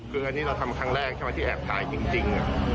คืออันนี้เราทำครั้งแรกใช่ไหมที่แอบถ่ายจริง